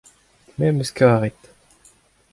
me'm eus karet.